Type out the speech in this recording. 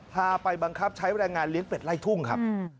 พาไปบังคับใช้แรงงานเลี้ยงเป็ดไล่ทุ่งครับ